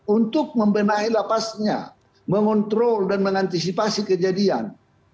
untuk membenahi lapasnya mengontrol dan mengantisipasi kejadian